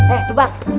eh tuh bang